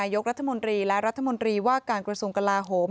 ยกรัฐมนตรีและรัฐมนตรีว่าการกระทรวงกลาโหม